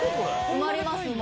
埋まります。